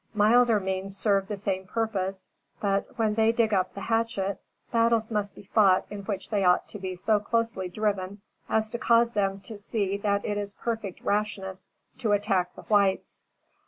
Milder means serve the same purpose; but, when they dig up the hatchet, battles must be fought in which they ought to be so closely driven as to cause them to see that it is perfect rashness to attack the whites.